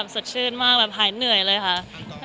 ก็เห็นแล้วค่ะ